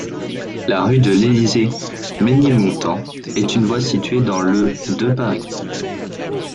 La rue de l'Élysée-Ménilmontant est une voie située dans le de Paris.